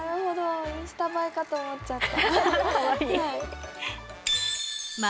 インスタ映えかと思っちゃった。